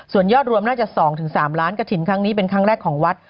ส่วนยอดรวมน่าจะ๒๓ล้านกระถิ่นครั้งนี้เป็นครั้งแรกของวัด